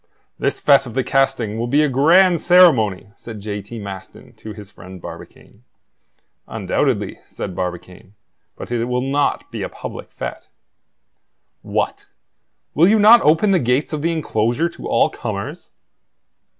"This fete of the casting will be a grand ceremony," said J. T. Maston to his friend Barbicane. "Undoubtedly," said Barbicane; "but it will not be a public fete" "What! will you not open the gates of the enclosure to all comers?"